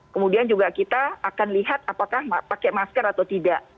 kemudian juga kita akan lihat apakah pakai masker atau tidak